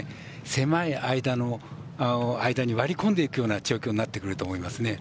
狭い間に割り込んでいくような調教になってくると思います。